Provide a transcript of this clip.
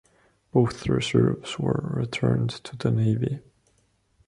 Both reserves were returned to the Navy.